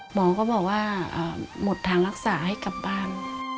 หมอก็บอกว่าหมดทางรักษาให้กลับบ้าน